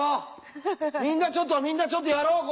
みんなちょっとみんなちょっとやろうこれ一緒に！